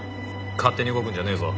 勝手に動くんじゃねえぞ。